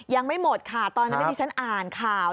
ยังไม่หมดค่ะตอนนั้นที่ฉันอ่านข่าว